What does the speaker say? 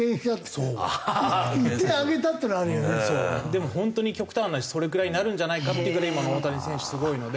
でも本当に極端な話それくらいになるんじゃないかっていうぐらい今の大谷選手すごいので。